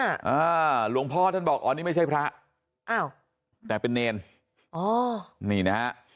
อ่าหลวงพ่อท่านบอกอ๋อนี่ไม่ใช่พระอ้าวแต่เป็นเนรอ๋อนี่นะฮะ